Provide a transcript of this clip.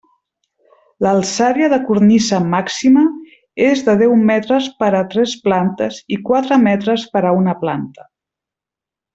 L'alçària de cornisa màxima és de deu metres per a tres plantes i quatre metres per a una planta.